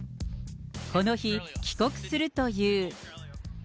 この日、帰国するという。